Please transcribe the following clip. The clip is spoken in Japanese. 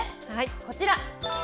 こちら！